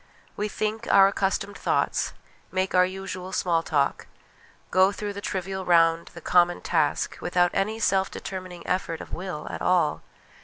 We think our accustomed thoughts, make our usual small talk, go through the trivial round, the common task, without any self determining effort of will at all.